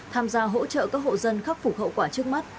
tham gia hỗ trợ các hộ dân khắc phục hậu quả trước mắt